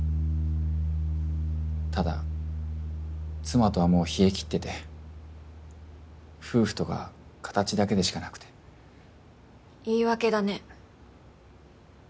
ただ妻とはもう冷え切ってて夫婦とか形だけでしかなくて。言い訳だね。